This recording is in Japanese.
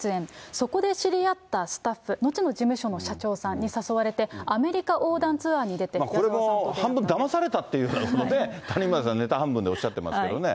そこで知り合ったスタッフ、後の事務所の社長さんに誘われて、アこれ、半分だまされたって、谷村さん、ネタ半分でおっしゃってますけどね。